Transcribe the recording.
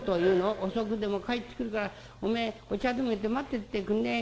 『遅くても帰ってくるからおめえお茶でもいれて待っててくんねえ？』